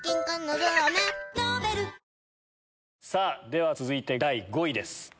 では続いて第５位です。